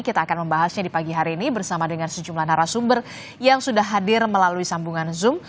kita akan membahasnya di pagi hari ini bersama dengan sejumlah narasumber yang sudah hadir melalui sambungan zoom